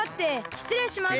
しつれいします。